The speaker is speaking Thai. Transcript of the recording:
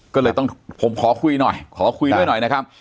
ก็เลยต้องผมขอคุยหน่อยขอคุยด้วยหน่อยนะครับ